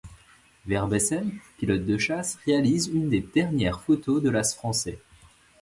Verbessem, pilote de chasse, réalise une des dernières photos de l'As français.